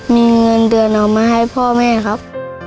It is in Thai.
มีเงินเดือนเอามาให้พ่อแม่ครับ